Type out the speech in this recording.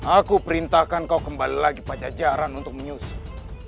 aku perintahkan kau kembali lagi pada jajaran untuk menyusup